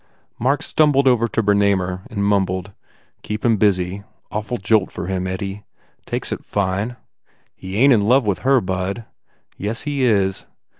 Mark stumbled over to Bernamer and mumbled, "Keep him busy. Awful jolt for him, Eddie. Takes it fine." "He ain t in love with her, bud." "Yes, he is."